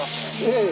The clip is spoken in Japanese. ええ。